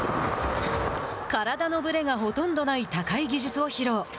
体のぶれがほとんどない高い技術を披露。